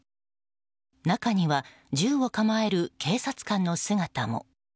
中には銃を構える警察官の姿も。